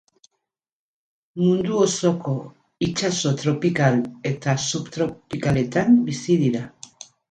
Mundu osoko itsaso tropikal eta subtropikaletan bizi dira.